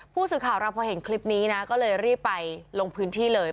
ผู้สื่อข่าวเราพอเห็นคลิปนี้นะก็เลยรีบไปลงพื้นที่เลย